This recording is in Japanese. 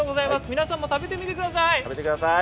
皆さんも食べてみてください。